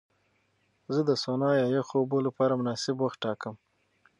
زه د سونا یا یخو اوبو لپاره مناسب وخت ټاکم.